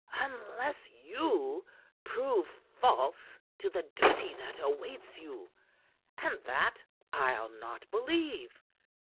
"Unless you prove false to the duty that awaits you. And that I'll not believe!